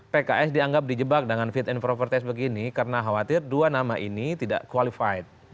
pks dianggap dijebak dengan fit and proper test begini karena khawatir dua nama ini tidak qualified